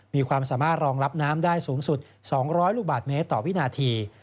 มีความสามารถรองรับน้ำได้สูงสุด๒๐๐ลูกบาทเมตรต่อวินาที